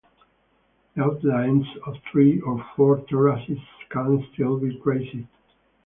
The outlines of three or four terraces can still be traced.